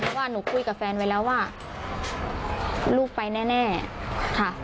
เพราะว่าหนูคุยกับแฟนไว้แล้วว่าลูกไปแน่ค่ะ